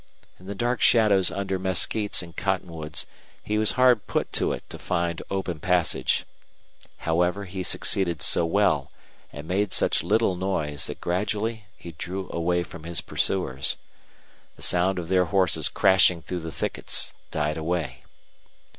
In the dark shadows under mesquites and cottonwoods he was hard put to it to find open passage; however, he succeeded so well and made such little noise that gradually he drew away from his pursuers. The sound of their horses crashing through the thickets died away.